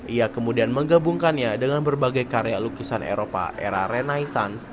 ia kemudian menggabungkannya dengan berbagai karya lukisan eropa era renaissance